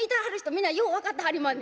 みんなよう分かってはりまんねん。